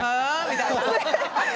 みたいな。